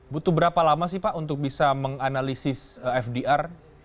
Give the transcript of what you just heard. butuh berapa lama sih pak untuk bisa menganalisis fdr